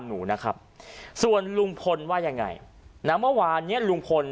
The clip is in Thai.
หนูนะครับส่วนลุงพลว่ายังไงนะเมื่อวานเนี้ยลุงพล